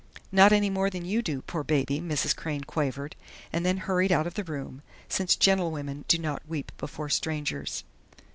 "Not any more than you do, poor baby!" Mrs. Crain quavered, and then hurried out of the room, since gentlewomen do not weep before strangers.